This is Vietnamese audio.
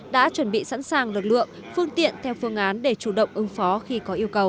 đã chuẩn bị sẵn sàng lực lượng phương tiện theo phương án để chủ động ứng phó khi có yêu cầu